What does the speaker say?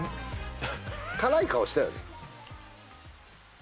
辛い顔したよね？